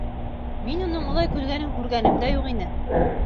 Мин уның улай көлгәнен күргәнем дә юҡ ине.